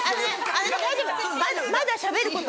大丈夫まだしゃべること